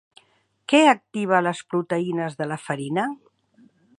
Què activa les proteïnes de la farina?